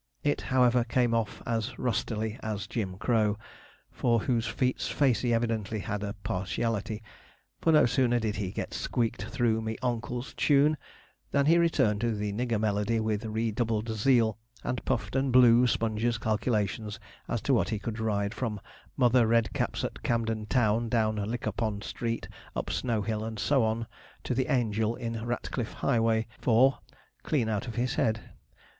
It, however, came off as rustily as 'Jim Crow,' for whose feats Facey evidently had a partiality; for no sooner did he get squeaked through 'me oncle's' tune than he returned to the nigger melody with redoubled zeal, and puffed and blew Sponge's calculations as to what he could ride from 'Mother Redcap's at Camden Town down Liquorpond Street, up Snow Hill, and so on, to the 'Angel' in Ratcliff Highway for, clean out of his head.